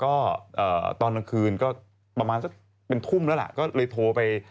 ก็ตอนกลางคืนก็ประมาณสักเป็นทุ่มแล้วล่ะก็เลยโทรไป